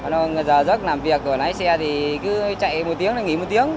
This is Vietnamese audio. rồi giờ rất làm việc ở lái xe thì cứ chạy một tiếng là nghỉ một tiếng